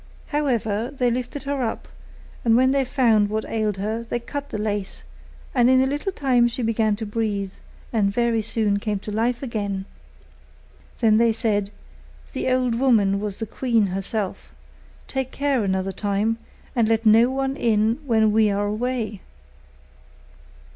However, they lifted her up, and when they found what ailed her, they cut the lace; and in a little time she began to breathe, and very soon came to life again. Then they said, 'The old woman was the queen herself; take care another time, and let no one in when we are away.